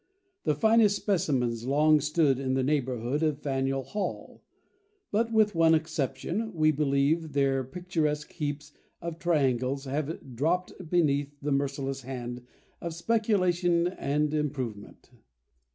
The finest specimens long stood in the neighbourhood of Faneuiel Hall; but, with one exception, we believe, their picturesque heaps of triangles have dropped beneath the merciless hand of speculation and improvement.